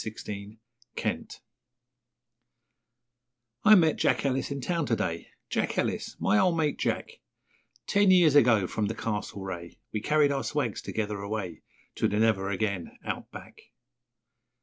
Since Then I met Jack Ellis in town to day Jack Ellis my old mate, Jack Ten years ago, from the Castlereagh, We carried our swags together away To the Never Again, Out Back.